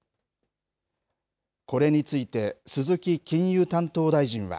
これについて、鈴木金融担当大臣は。